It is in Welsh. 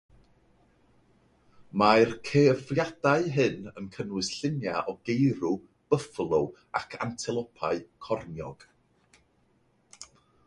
Mae'r cerfiadau hyn yn cynnwys lluniau o geirw, byfflo ac antelop corniog.